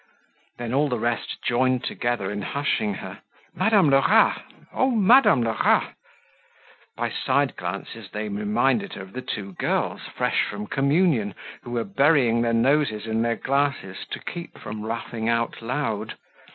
Then all the rest joined together in hushing her. "Madame Lerat! Oh, Madame Lerat!" By side glances they reminded her of the two girls, fresh from communion, who were burying their noses in their glasses to keep from laughing out loud.